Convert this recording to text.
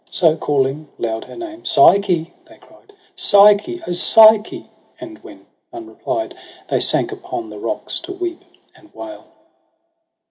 So calling loud her name, ' Psyche !' they cried, ' Psyche, O Psyche !' and when none replied They sank upon the rocks to weep and wail.